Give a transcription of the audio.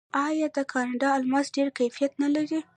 آیا د کاناډا الماس ډیر کیفیت نلري؟